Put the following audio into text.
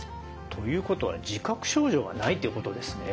ということは自覚症状がないということですね。